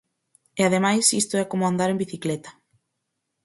E ademais isto é como andar en bicicleta.